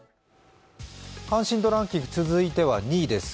関心度ランキング続いては２位です。